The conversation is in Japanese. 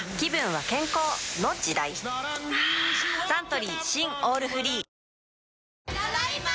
サントリー新「オールフリー」ただいま。